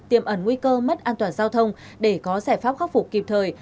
tiềm ẩn nguy cơ mất an toàn giao thông để có giải pháp khắc phục kịp thời